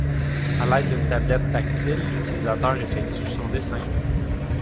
À l'aide d'une tablette tactile, l'utilisateur effectue son dessin.